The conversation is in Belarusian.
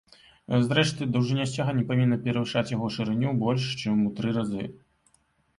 Зрэшты, даўжыня сцяга не павінна перавышаць яго шырыню больш, чым у тры разы.